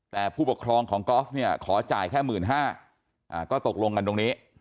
แต่ผู้ปกครองของกอล์ฟเนี่ยขอจ่ายแค่๑๕๐๐ก็ตกลงกันตรงนี้